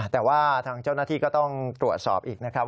แต่ว่าทางเจ้าหน้าที่ก็ต้องตรวจสอบอีกนะครับ